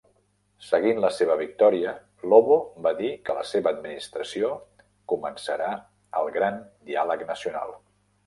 Seguint la seva victòria, Lobo va dir que la seva administració "començarà el gran diàleg nacional".